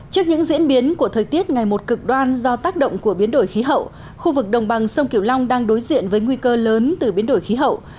trước những diễn biến của thời tiết ngày một cực đoan do tác động của biến đổi khí hậu khu vực đồng bằng sông kiểu long đang đối diện với nguy cơ lớn từ biến đổi khí hậu